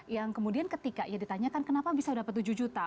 yang kemudian ketika ditanyakan kenapa bisa mendapatkan tujuh juta